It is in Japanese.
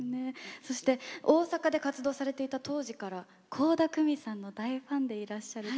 そして大阪で活動されていた当時から倖田來未さんの大ファンでいらっしゃると。